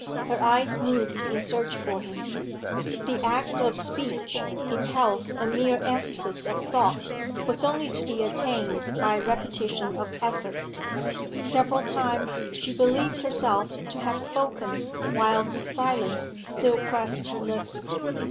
Her eyes moved in search for him. The act of speech, in health a mere emphasis of thought, was only to be attained by repetition of efforts; several times she believed herself to have spoken whilst silence still pressed her lips.